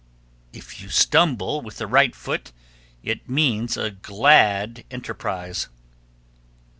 1323. If you stumble with the right foot, it means a glad surprise.